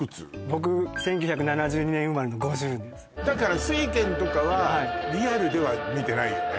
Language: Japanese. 僕１９７２年生まれの５０ですだから「酔拳」とかはリアルでは見てないよね